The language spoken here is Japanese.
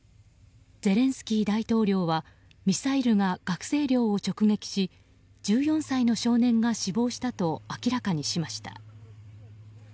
ゼレンスキー大統領はミサイルが学生寮を直撃し１４歳の少年が死亡したと明らかにしました。